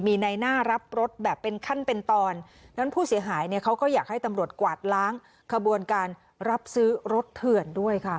มีในหน้ารับรถแบบเป็นขั้นเป็นตอนนั้นผู้เสียหายเนี่ยเขาก็อยากให้ตำรวจกวาดล้างขบวนการรับซื้อรถเถื่อนด้วยค่ะ